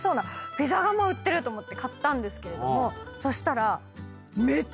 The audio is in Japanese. ピザ窯売ってる！と思って買ったんですけれどもそしたら。